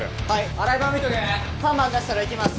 洗い場も見とけ３番出したら行きます